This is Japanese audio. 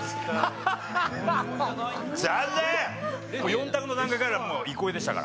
４択の段階から「憩い」でしたから。